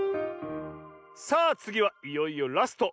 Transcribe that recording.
さあつぎはいよいよラスト。